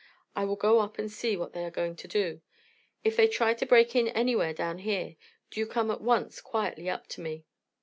I will go up and see what they are going to do. If they try to break in anywhere down here, do you come at once quietly up to me."